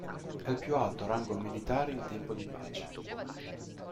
È il più alto rango militare in tempo di pace.